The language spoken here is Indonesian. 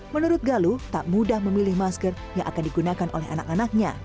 menurut galuh tak mudah memilih masker yang akan digunakan oleh anak anaknya